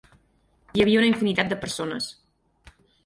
Hi havia una infinitat de persones.